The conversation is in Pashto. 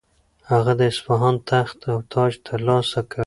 هغه د اصفهان تخت او تاج ترلاسه کړ.